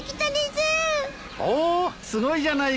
おっすごいじゃないか。